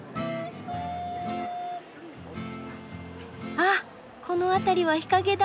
ああこの辺りは日陰だ！